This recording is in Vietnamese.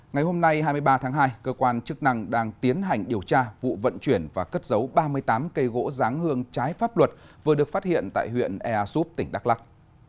ngày hôm nay hai mươi ba tháng hai cơ quan chức năng đang tiến hành điều tra vụ vận chuyển và cất giấu ba mươi tám cây gỗ giáng hương trái pháp luật vừa được phát hiện tại huyện ea súp tỉnh đắk lắc